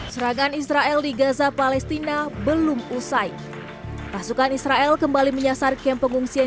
serangan israel di gaza palestina belum usai pasukan israel kembali menyasar kem pengungsian